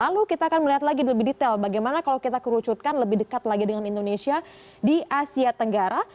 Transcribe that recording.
lalu kita akan melihat lagi lebih detail bagaimana kalau kita kerucutkan lebih dekat lagi dengan indonesia di asia tenggara